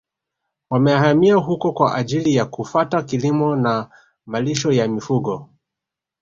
Wamehamia huko kwa ajili ya kufata kilimo na malisho ya mifugo